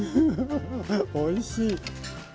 おいしい。